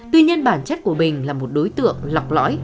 tuy nhiên bản chất của bình là một đối tượng lọc lõi